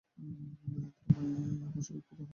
বৈচিত্র্যময় ফসল উৎপাদনের জন্য এ গ্রাম বিখ্যাত।